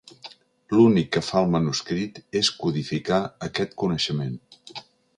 L'únic que fa el manuscrit és codificar aquest coneixement.